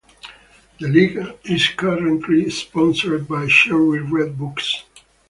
The league is currently sponsored by "Cherry Red Books".